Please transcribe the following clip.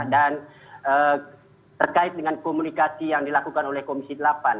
dan terkait dengan komunikasi yang dilakukan oleh komisi delapan